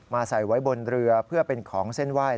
ใส่ไว้บนเรือเพื่อเป็นของเส้นไหว้